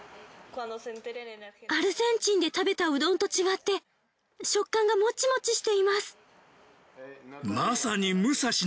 アルゼンチンで食べたうどんと違って食感がモチモチしています。